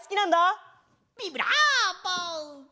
ビブラーボ！